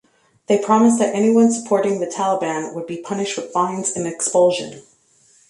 They promised that anyone supporting the Taliban, would be punished with fines and expulsion.